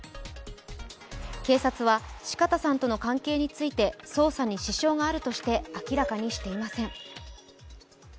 警察は、四方さんとの関係について捜査に支障があるとして明らかにしていません。